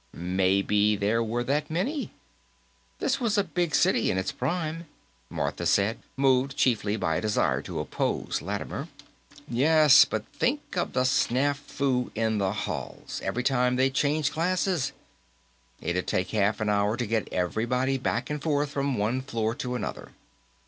"Maybe there were that many. This was a big city, in its prime," Martha said, moved chiefly by a desire to oppose Lattimer. "Yes, but think of the snafu in the halls, every time they changed classes. It'd take half an hour to get everybody back and forth from one floor to another."